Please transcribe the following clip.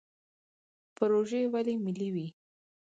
پروژې ولې ملي وي؟